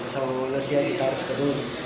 soal rusia kita harus ke dulu